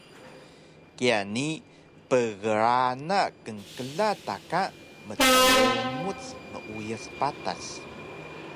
kiya ni pgrana knkla ta ka mdrumuc meuyas patas